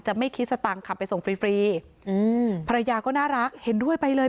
ไม่คิดสตังค์ขับไปส่งฟรีฟรีอืมภรรยาก็น่ารักเห็นด้วยไปเลย